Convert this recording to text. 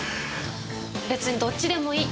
別にどっちでもいい。